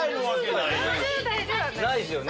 ないですよね。